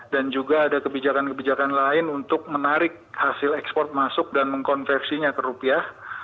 dan juga ada kebijakan kebijakan lain untuk menarik hasil ekspor masuk dan mengkonversinya ke rupiah